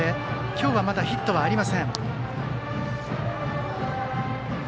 今日はまだヒットはありません。